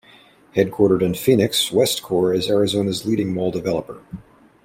Headquartered in Phoenix, Westcor is Arizona's leading mall developer.